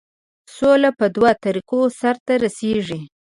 سوله په دوو طریقو سرته رسیږي.